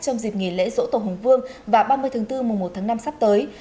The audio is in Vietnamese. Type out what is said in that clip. trong dịp nghỉ lễ dỗ tổng hồng vương và ba mươi tháng bốn mùa một tháng năm sắp tới